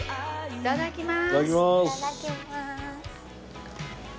いただきます。